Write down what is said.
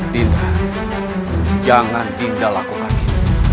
dinda jangan dinda lakukan itu